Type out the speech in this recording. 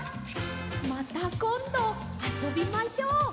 またこんどあそびましょう！